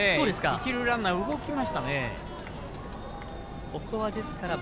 一塁ランナー、動きましたね。